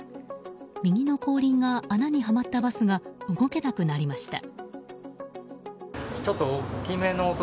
右の後輪が穴にはまったバスが動けなくなりました。